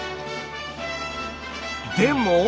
でも。